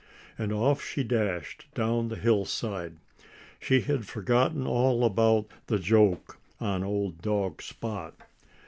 And off she dashed down the hillside. She had forgotten all about the joke on old dog Spot.